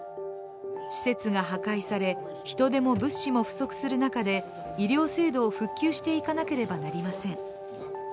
施設が破壊され、人手も物資も不足する中で、医療制度を復旧していかなければなりません。